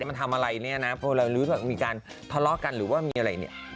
มันทำอะไรเนี่ยนะพอเรารู้ว่ามีการทะเลาะกันหรือว่ามีอะไรเนี่ย